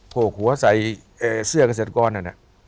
พวกหัวใส่เสื้อเกษตรกรนั่นน่ะ